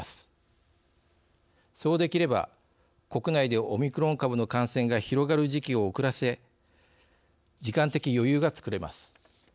そうできれば国内でオミクロン株の感染が広がる時期を遅らせ時間的余裕がつくれます。